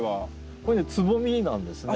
これねつぼみなんですね。